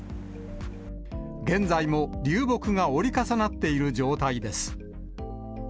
現在も流木が折り重なっている状態です。